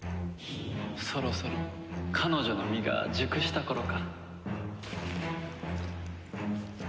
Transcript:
そろそろ彼女の実が熟した頃か。